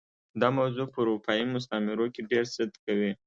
دا موضوع په اروپايي مستعمرو کې ډېر صدق کوي.